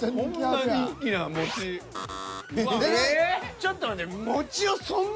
ちょっと待って。